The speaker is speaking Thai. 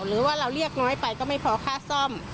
หรือว่าเราเรียกน้อยไปก็ไม่พอค่าซ่อม